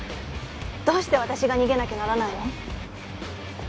どうして私が逃げなきゃならないの？